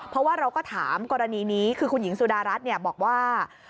เพราะว่าเราก็ถามกรณีนี้คือคุณหญิงสุดารัฐบอกว่า